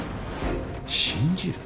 信じる？